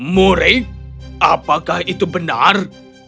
murid apakah itu benar